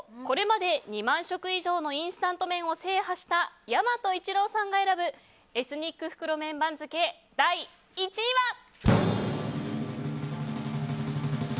これまで２万食以上のインスタント麺を制覇した、大和一朗さんが選ぶエスニック袋麺番付第１位は。